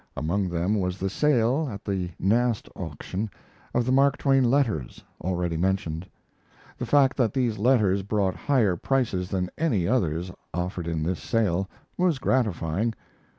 Among them was the sale, at the Nast auction, of the Mark Twain letters, already mentioned. The fact that these letters brought higher prices than any others offered in this sale was gratifying.